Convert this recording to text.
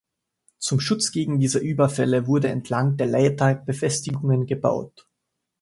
Zum Schutz gegen diese Überfälle wurden entlang der Leitha Befestigungen gebaut.